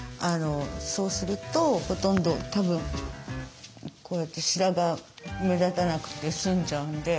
そうするとほとんどたぶんこうやって白髪目立たなくて済んじゃうんで。